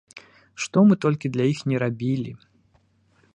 Што мы толькі для іх ні рабілі.